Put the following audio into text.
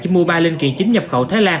khi mua ba linh kiện chính nhập khẩu thái lan